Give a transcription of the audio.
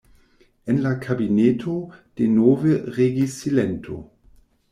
En la kabineto denove regis silento.